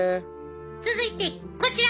続いてこちら！